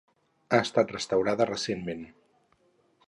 Ha estat restaurada recentment.